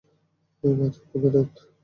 বাঁচা আমাকে জ্যাক।